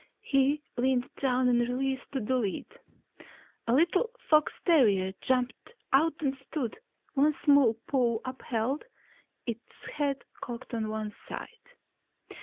He leaned down and released the lid. A little fox terrier jumped out and stood, one small paw upheld, its head cocked to one side.